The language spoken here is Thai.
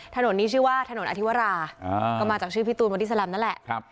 ถนนนี้ชื่อว่าถนนอธิวราก็มาจากชื่อพี่ตูนบอดี้แลมนั่นแหละ